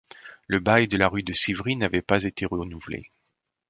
Le bail de la rue de Civry n’avait pas été renouvelé.